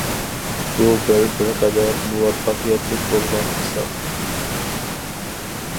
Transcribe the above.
بۇ بىر بىر قەدەر مۇۋەپپەقىيەتلىك بولغان مىسال.